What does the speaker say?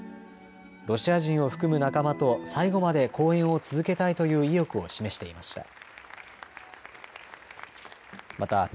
ロシア人を含む仲間と最後まで公演を続けたいという意欲を示していました。